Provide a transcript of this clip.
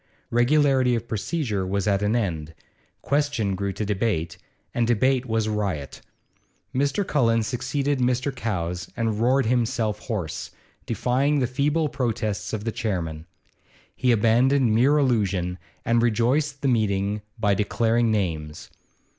Regularity of procedure was at an end; question grew to debate, and debate was riot. Mr. Cullen succeeded Mr. Cowes and roared himself hoarse, defying the feeble protests of the chairman. He abandoned mere allusion, and rejoiced the meeting by declaring names.